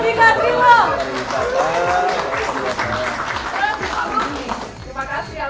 terima kasih ya